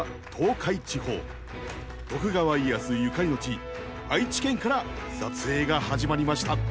徳川家康ゆかりの地愛知県から撮影が始まりました。